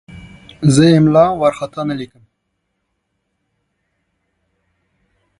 زه املا وارخطا نه لیکم.